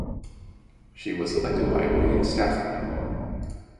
She was selected by William Stafford.